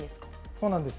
そうなんです。